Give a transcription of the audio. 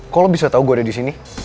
kok lo bisa tau gue ada disini